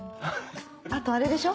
あとあれでしょ？